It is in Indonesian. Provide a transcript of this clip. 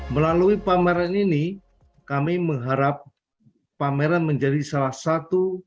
melalui pameran ini kami mengharap pameran menjadi salah satu